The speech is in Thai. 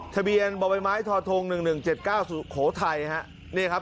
ทะเบียนบะไบไม้ทอทง๑๑๗๙โขไทยนี่ครับ